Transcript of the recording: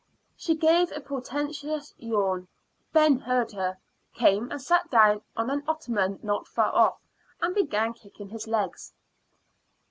She gave a portentous yawn. Ben heard her, came and sat down on an ottoman not far off, and began kicking his legs.